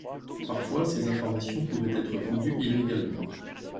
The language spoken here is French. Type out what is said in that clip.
Parfois, ces informations pouvaient être vendues illégalement.